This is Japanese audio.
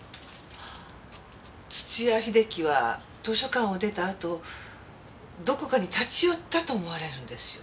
土屋秀樹は図書館を出たあとどこかに立ち寄ったと思われるんですよ。